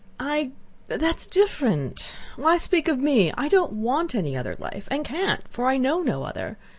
"I... that's different. Why speak of me? I don't want any other life, and can't, for I know no other.